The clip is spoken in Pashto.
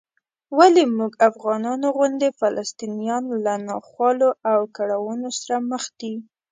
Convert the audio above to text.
ولې موږ افغانانو غوندې فلسطینیان له ناخوالو او کړاوونو سره مخ دي؟